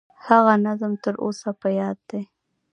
هغه نظم تر اوسه په یاد دي.